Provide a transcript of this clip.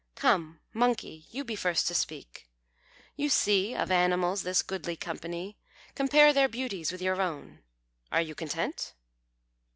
Come, Monkey, you be first to speak. You see Of animals this goodly company; Compare their beauties with your own. Are you content?"